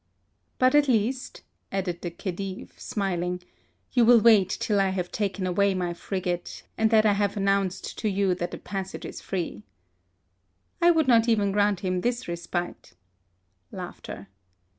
'* But at least," added the Khedive, smiling; you will wait till I have taken away my frigate, and that I have announced to you that the passage is free." I would not even grant him this respite.